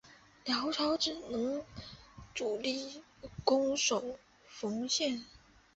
辽朝只能全力固守幽蓟。